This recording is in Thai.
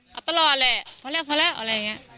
มีเอาตลอดเลยเพราะแล้วเพราะแล้วอะไรอย่างเงี้ย